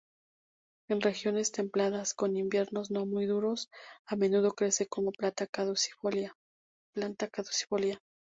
En regiones templadas con inviernos no muy duros, a menudo crece como planta caducifolia.